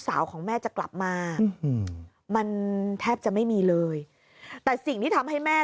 สาวของแม่จะกลับมามันแทบจะไม่มีเลยแต่สิ่งที่ทำให้แม่